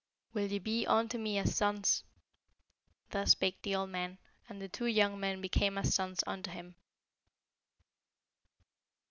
'Will ye be unto me as sons?' Thus spake the old man, and the two young men became as sons unto him.